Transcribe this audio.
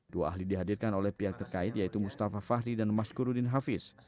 dua ahli dihadirkan oleh pihak terkait yaitu mustafa fahri dan mas kurudin hafiz